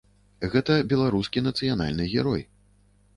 Гэта беларускі нацыянальны герой.